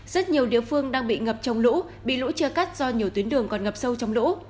rất nhiều địa phương đang bị ngập trong lũ bị lũ chia cắt do nhiều tuyến đường còn ngập sâu trong lũ